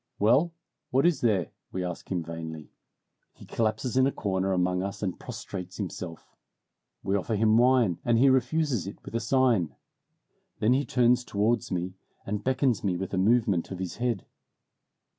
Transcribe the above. "Well, what is there?" we ask him vainly. He collapses in a corner among us and prostrates himself. We offer him wine, and he refuses it with a sign. Then he turns towards me and beckons me with a movement of his head.